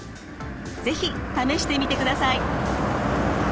是非試してみてください。